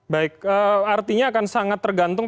baik artinya akan sangat tergantung